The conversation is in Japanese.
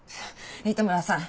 糸村さん